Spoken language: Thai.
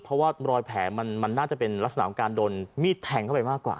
เพราะว่ารอยแผลมันน่าจะเป็นลักษณะของการโดนมีดแทงเข้าไปมากกว่า